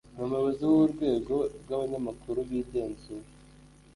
Ni umuyobozi w'Urwego rw'Abanyamakuru bigenzura